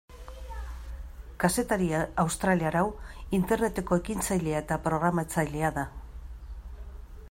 Kazetari australiar hau Interneteko ekintzailea eta programatzailea da.